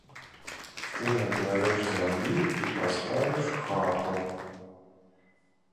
Ты набярэш зямлі і паставіш хату.